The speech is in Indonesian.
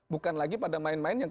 bukan lagi pada main main yang